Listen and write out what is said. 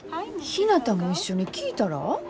ひなたも一緒に聴いたら？